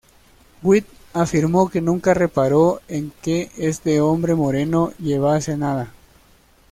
Witt afirmó que nunca reparó en que este hombre moreno llevase nada.